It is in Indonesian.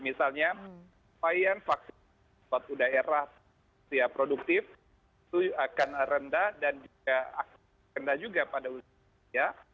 misalnya upaya vaksin suatu daerah usia produktif itu akan rendah dan juga kenda juga pada usia